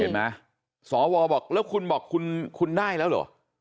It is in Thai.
เห็นไหมสวบอกแล้วคุณบอกคุณได้แล้วเหรอ